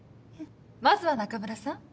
まずは中村さん。